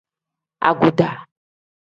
Aguda.